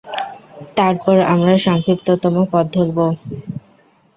তারপর আমরা সংক্ষিপ্ততম পথ ধরব।